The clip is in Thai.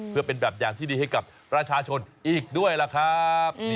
เพื่อเป็นแบบอย่างที่ดีให้กับประชาชนอีกด้วยล่ะครับ